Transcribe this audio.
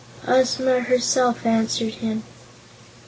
Ozma herself answered him.